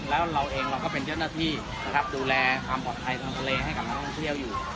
แล้วเราเองเราก็เป็นเจ้าหน้าที่นะครับดูแลความปลอดภัยทางทะเลให้กับนักท่องเที่ยวอยู่